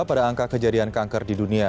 pada angka kejadian kanker di dunia